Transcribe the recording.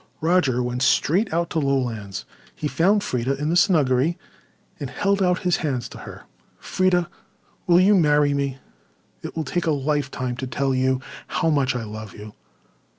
Roger went straight out to Lowlands. He found Freda in the snuggery and held out his hands to her. "Freda, will you marry me? It will take a lifetime to tell you how much I love you."